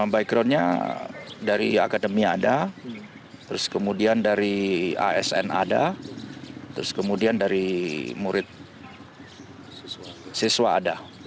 backgroundnya dari akademi ada terus kemudian dari asn ada terus kemudian dari murid siswa ada